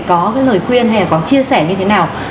có cái lời khuyên hay là có chia sẻ như thế nào